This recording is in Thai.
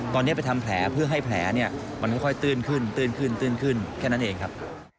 ตอนนี้ไปทำแผลเพื่อให้แผลมันค่อยตื่นขึ้นแค่นั้นเองครับ